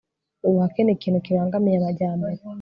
ubuhake ni ikintu kibangamiye amajyambere